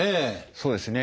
そうですね。